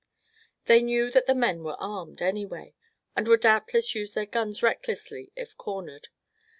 They knew that the men were armed, anyway, and would doubtless use their guns recklessly if cornered.